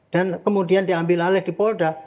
dan kemudian diambil alih di polda